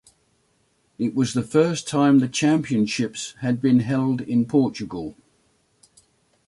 It was the first time the Championships had been held in Portugal.